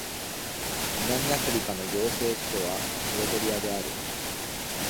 南アフリカの行政首都はプレトリアである